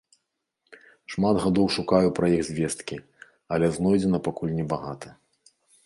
Шмат гадоў шукаю пра іх звесткі, але знойдзена пакуль небагата.